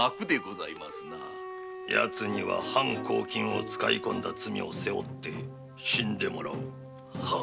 ヤツには藩公金を遣いこんだ罪を背負って死んでもらう。